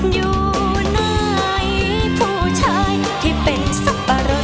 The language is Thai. อยู่ไหนผู้ชายที่เป็นสับปะเรอ